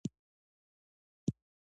د بشري حقونو درناوی سیاسي ارزښت دی